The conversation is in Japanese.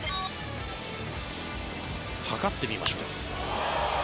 計ってみましょう。